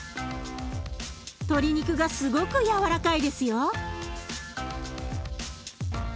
鶏肉がすごくやわらかいですよ。